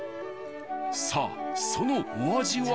さあそのお味は？